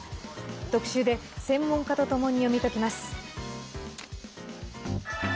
特集で、専門家とともに読み解きます。